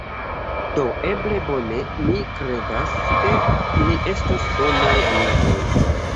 Do eble, bone, mi kredas ke ni estos bonaj amikoj